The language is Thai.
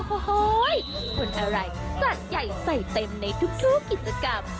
โอ้โหคนอะไรจัดใหญ่ใส่เต็มในทุกกิจกรรม